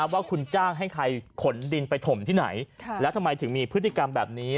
ว่าคุณจ้างให้ใครขนดินไปถมที่ไหนแล้วทำไมถึงมีพฤติกรรมแบบนี้